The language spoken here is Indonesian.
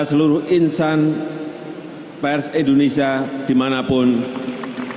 sekaligus mengucapkan terima kasih kepada pers nasional